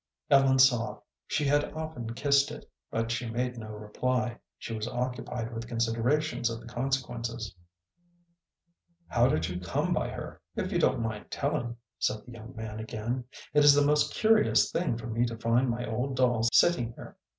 Ellen saw. She had often kissed it, but she made no reply. She was occupied with considerations of the consequences. "How did you come by her, if you don't mind telling?" said the young man again. "It is the most curious thing for me to find my old doll sitting here.